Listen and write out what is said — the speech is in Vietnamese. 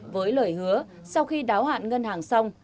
với lời hứa sau khi đáo hạn ngân hàng xong